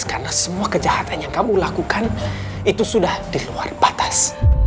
karena semua kejahatan yang kamu lakukan itu sudah di luar batas